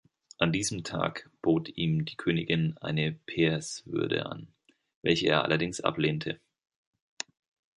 An diesem Tag bot ihm die Königin eine Peerswürde an, welche er allerdings ablehnte.